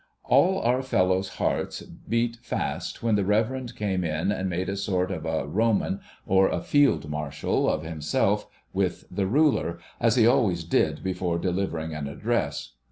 All our fellows' hearts beat fast when the Reverend came in, and made a sort of a Roman, or a Field Marshal, of himself with the ruler; as he always did before delivering an address.